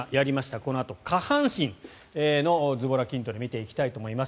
このあと下半身のズボラ筋トレを見ていきたいと思います。